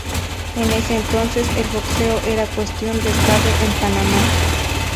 En ese entonces, el boxeo era cuestión de estado en Panamá.